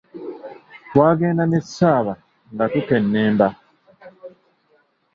Twagenda ne Ssaba nga tukennemba!